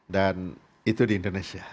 dan itu di indonesia